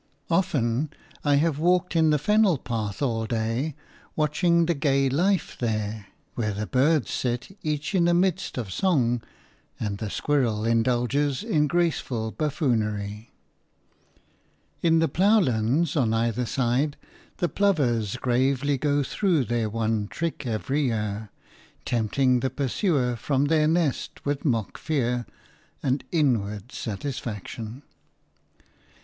Often I have walked in the fennel path all day, watching the gay life there, where the birds sit each in a mist of song and the squirrel indulges in graceful buffoonery. In the ploughlands on either side the plovers gravely go through their one trick every year, tempting the pursuer from their nest with mock fear and inward satisfaction.